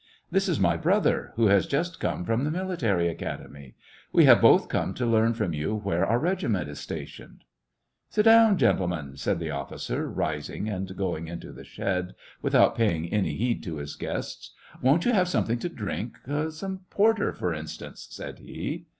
"This is my brother, who has just come from the military academy. We have both come to learn from you where our regiment is stationed." SEVASTOPOL IN AUGUST. i6i " Sit down, gentlemen," said the officer, rising, and going into the shed, without paying any heed to his guests. " Won't you have something to drink ? Some porter, for instance ?" said he.